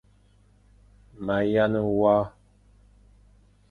Ma yane wa.